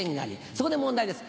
そこで問題です